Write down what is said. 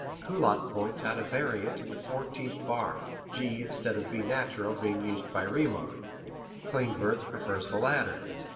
Kullak points out a variant in the fourteenth bar, G instead of B natural being used by Riemann. Klindworth prefers the latter.